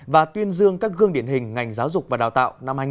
và tuyên dương các gương điển hình ngành giáo dục và đào tạo năm hai nghìn hai mươi